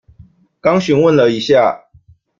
剛詢問了一下